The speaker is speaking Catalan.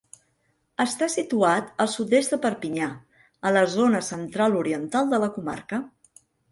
Està situat al sud-est de Perpinyà, a la zona central-oriental de la comarca.